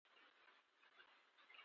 مالي امانتداري د کاروبار بریا تضمینوي.